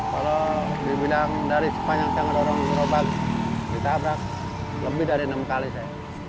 kalau dibinang dari sepanjang tangan orang gerobak ditabrak lebih dari enam kali saya